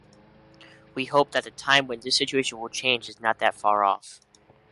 We hope that the time when this situation will change is not that far off.